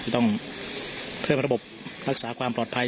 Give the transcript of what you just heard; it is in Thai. จะต้องเพิ่มระบบรักษาความปลอดภัย